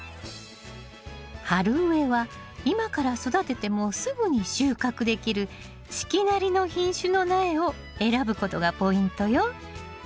春植えは今から育ててもすぐに収穫できる四季なりの品種の苗を選ぶことがポイントよ。